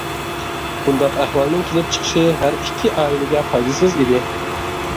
بۇنداق ئەھۋالنىڭ كېلىپ چېقىشى ھەر ئىككى ئائىلىگە پايدىسىز ئىدى.